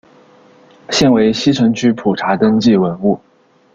现为西城区普查登记文物。